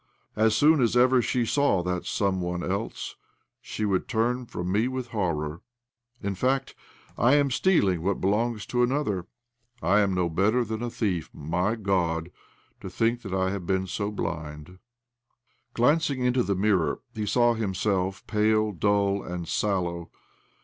As soon as ever she saw that sortie one ;else she would turn from me with horror. In fact, I am stealing what belongs to another ; I am no better than a thief. My God, to think that I should have been so blind 1 " Glancing into the mirror, he saw himself pale, dull, and sallow.